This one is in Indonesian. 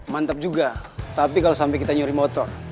mantap juga tapi kalau sampai kita nyuri motor